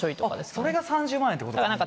それが３０万円ってことか。